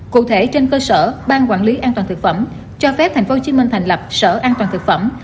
cụ thể trên cơ sở ban quản lý an toàn thực phẩm cho phép tp hcm thành lập sở an toàn thực phẩm